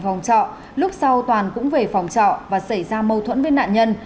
phòng trọ lúc sau toàn cũng về phòng trọ và xảy ra mâu thuẫn với nạn nhân